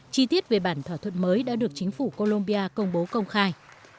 chi tiết về bản thỏa thuận mới đã được chính phủ colombia công bố công khai